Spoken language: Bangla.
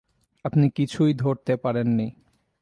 আপনি কিছুই ধরতে পারেন নি।